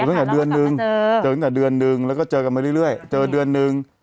เจอกันตัวอีกเมื่อเดือนตั้ง